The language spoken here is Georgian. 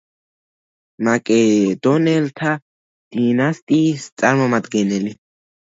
მაკედონელთა დინასტიის წარმომადგენელი.